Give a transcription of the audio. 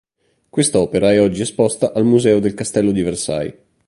Quest'opera è oggi esposta al Museo del Castello di Versailles.